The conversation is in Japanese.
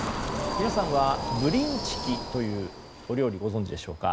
皆さんはブリンチキというお料理ご存じでしょうか。